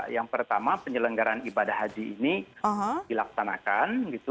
yang pertama penyelenggaraan ibadah haji ini dilaksanakan